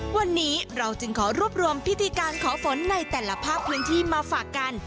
วันนี้เราจึงขอรวบรวมพิธีการขอฝนในแต่ละภาคพื้นที่มาฝากกัน